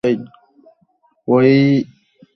ঐ একই ব্যাপার হলো।